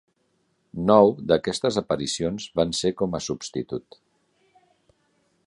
Nou d'aquestes aparicions van ser com a substitut.